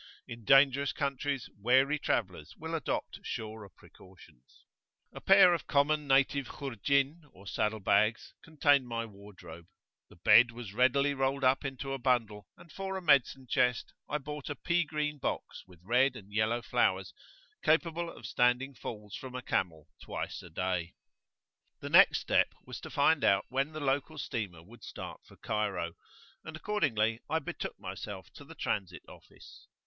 In dangerous countries wary travellers will adopt surer precautions. [FN#16] A pair of common native Khurjin, or saddle bags, contained my wardrobe; the bed was readily rolled up into a bundle; and for a medicine chest[FN#17] I bought a pea green box with red and yellow flowers, capable of standing falls from a camel twice a day. [p.27]The next step was to find out when the local steamer would start for Cairo, and accordingly I betook myself to the Transit Office.